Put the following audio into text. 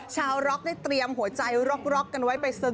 ชาวร็อกได้เตรียมหัวใจร็อกกันไว้